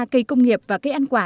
cây công nghiệp và cây ăn quả